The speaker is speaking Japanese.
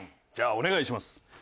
じゃあお願いします。